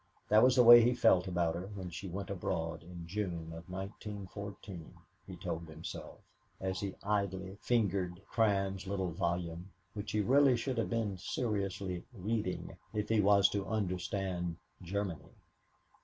That was the way he felt about her when she went abroad in June of 1914, he told himself, as he idly fingered Cramb's little volume, which he really should have been seriously reading, if he was to understand Germany.